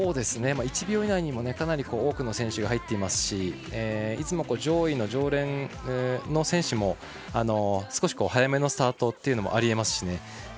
１秒以内に多くの選手が入っていますしいつも上位の常連の選手も少し早めのスタートというのもあり得ますしね。